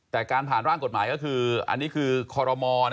แต่การผ่านร่างกฎหมายก็คืออันนี้คือคอรมอ